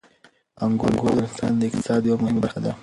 انګور د افغانستان د اقتصاد یوه مهمه برخه ده.